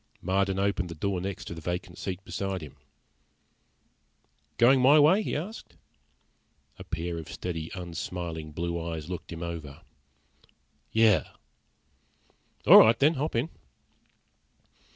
Marden opened the door next to the vacant seat beside him. "Going my way?" he asked. A pair of steady, unsmiling blue eyes looked him over. "Yeah." "All right, then. Hop in."